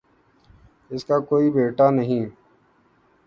اس کا کوئی بیٹا نہیں